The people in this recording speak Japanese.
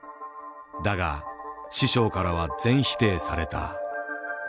だが師匠からは全否定された。